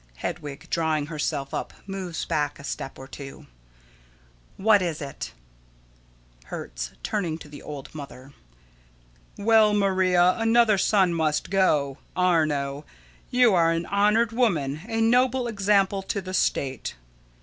Hedwig: [Drawing herself up, moves back a step or two.] What is it? Hertz: [Turning to the old mother.] Well, Maria, another son must go Arno. You are an honored woman, a noble example to the state.